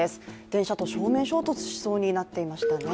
電車と正面衝突しそうになっていましたね。